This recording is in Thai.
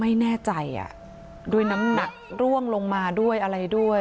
ไม่แน่ใจด้วยน้ำหนักร่วงลงมาด้วยอะไรด้วย